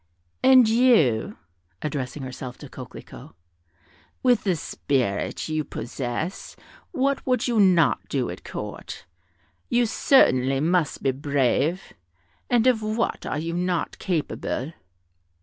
"And you," addressing herself to Coquelicot, "with the spirit you possess, what would you not do at Court? You certainly must be brave; and of what are you not capable?"